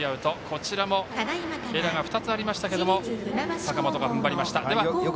こちらもエラー２つありましたが坂本が踏ん張りました。